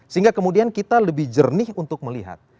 sehingga kemudian kita lebih jernih untuk melihat